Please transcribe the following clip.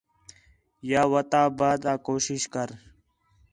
یا وَتا بعد آ کوشش کر